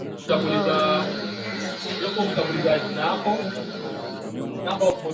ambao wanaendelea kufanya kazi huku wakikabiliwa na ongezeko la manyanyaso